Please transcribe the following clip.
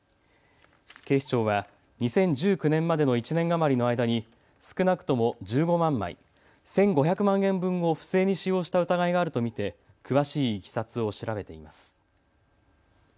警視庁は２０１９年までの１年余りの間に少なくとも１５万枚、１５００万円分を不正に使用した疑いがあると見て詳しいいきさつを調べています。